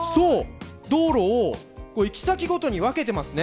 道路を行き先ごとに分けてますね。